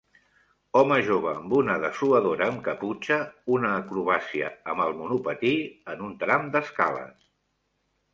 Home jove amb una dessuadora amb caputxa una acrobàcia amb el monopatí en un tram d'escales.